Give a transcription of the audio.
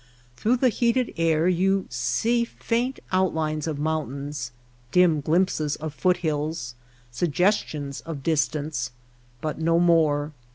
Through the heated air you see faint outlines of mountains, dim glimpses of foot hills, sugges tions of distance ; but no more.